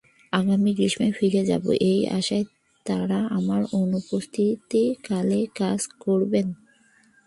আগামী গ্রীষ্মে ফিরে যাব, এই আশায় তাঁরা আমার অনুপস্থিতিকালে কাজ করবেন।